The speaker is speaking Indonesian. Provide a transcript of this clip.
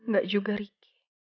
gak juga riki